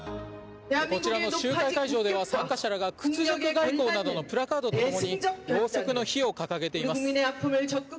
こちらの集会会場では参加者らが「屈辱外交ＯＵＴ」などのプラカードとともにろうそくの火を掲げています。